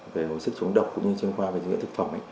về sức chống độc cũng như trên khoa về dưỡng dưỡng thực phẩm